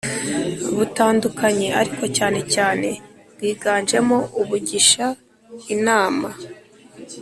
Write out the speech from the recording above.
butandukanye, ariko cyane cyane bwiganjemo ubugisha inama